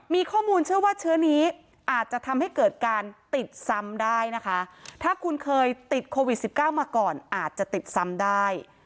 มีข้อมูลเชื่อว่าเชื้อนี้อาจจะทำให้เกิดการติดซ้ำได้นะคะถ้าคุณเคยติดโควิด๑๙มาก่อนอาจจะติดซ้ำได้